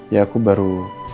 ya aku baru